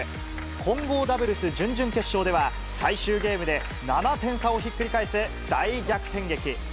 混合ダブルス準々決勝では、最終ゲームで、７点差をひっくり返す、大逆転劇。